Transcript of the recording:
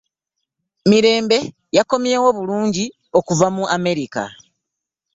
Mirembe yakomyewo bulungi okuva mu America.